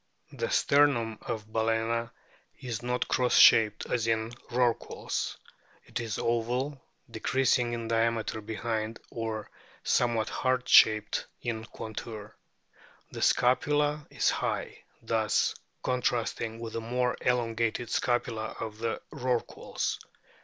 The sternum of Bal&na is not cross shaped as in Rorquals ; it is oval, decreasing in diameter behind, or somewhat heart shaped in contour. The scapula is high, thus contrasting with the more elongated scapula of the Rorquals.